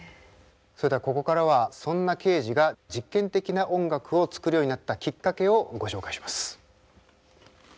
それではここからはそんなケージが実験的な音楽を作るようになったきっかけをご紹介します。